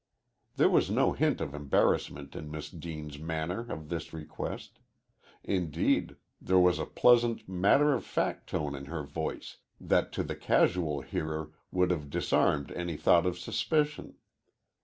There was no hint of embarrassment in Miss Deane's manner of this request. Indeed, there was a pleasant, matter of fact tone in her voice that to the casual hearer would have disarmed any thought of suspicion.